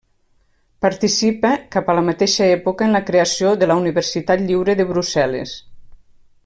Participa cap a la mateixa època en la creació de la Universitat Lliure de Brussel·les.